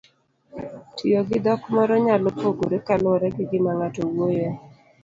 Tiyogi dhok moro nyalo pogore kaluwore gi gima ng'ato wuoyoe.